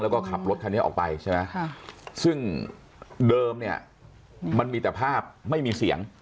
แล้วก็ขับรถคันนี้ออกไปใช่ไหมซึ่งเดิมเนี่ยมันมีแต่ภาพไม่มีเสียง